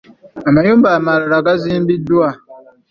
Amayumba amalala gazimbiddwa.